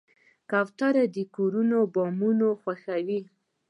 کوترې د کورونو بامونه خوښوي.